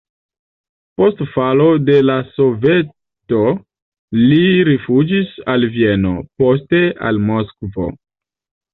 Post falo de la Soveto li rifuĝis al Vieno, poste al Moskvo.